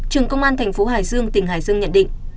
trường công an thành phố hải dương tỉnh hải dương nhận định